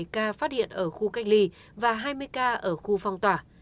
chín mươi bảy ca phát hiện ở khu cách ly và hai mươi ca ở khu phong tỏa